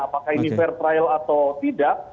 apakah ini fair trial atau tidak